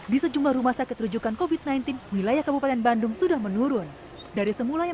di sejumlah rumah sakit rujukan covid sembilan belas wilayah kabupaten bandung sudah menurun dari semula yang